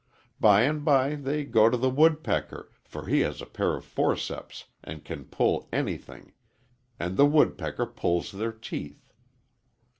By and by they go to the woodpecker, for he has a pair of forceps and can pull anything, and the woodpecker pulls their teeth.